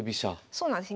そうなんです。